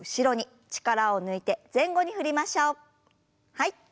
はい。